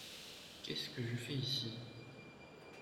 Qu’est-ce que je fais ici?